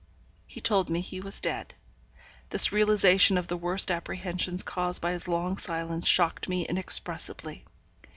He told me he was dead. This realization of the worst apprehensions caused by his long silence shocked me inexpressibly.